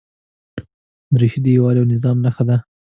دریشي د یووالي او نظم نښه ده.